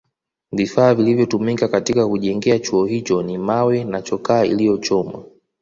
Vifaa vilivyotumika katika kujengea Chuo hicho ni mawe na chokaa iliyochomwa